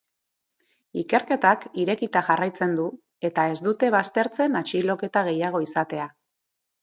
Ikerketak irekita jarraitzen du eta ez dute baztertzen atxiloketa gehiago izatea.